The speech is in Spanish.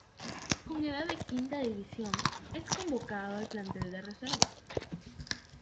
Con edad de quinta división es convocado al plantel de reserva.